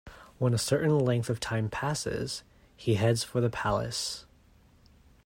When a certain length of time passes, he heads for the palace.